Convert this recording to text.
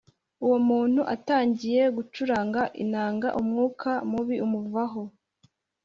Uwo muntu atangiye gucuranga inanga umwuka mubi umuvaho